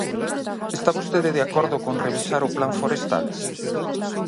¿Está vostede de acordo con revisar o Plan forestal?